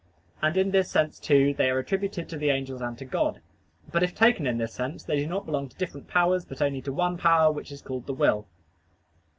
And in this sense, too, they are attributed to the angels and to God. But if taken in this sense, they do not belong to different powers, but only to one power, which is called the will.